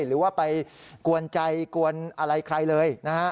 หรือว่าไปกวนใจกวนอะไรใครเลยนะฮะ